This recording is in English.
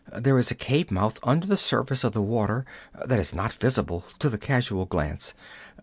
There is a cave mouth under the surface of the water that is not visible to the casual glance.